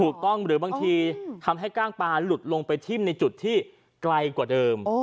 ถูกต้องหรือบางทีทำให้กล้างปลาหลุดลงไปทิ้มในจุดที่ไกลกว่าเดิม